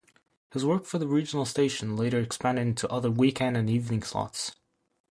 His work for the regional station later expanded into other weekend and evening slots.